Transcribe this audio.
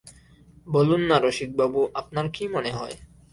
বলুন-না রসিকবাবু, আপনার কী মনে হয়?